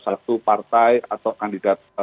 satu partai atau kandidat